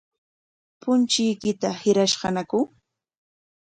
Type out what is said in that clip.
¿Punchuykita hirashqañaku?